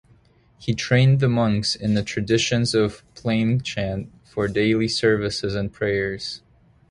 He trained the monks in the traditions of plainchant for daily services and prayers.